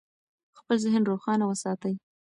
خپل ذهن روښانه وساتئ.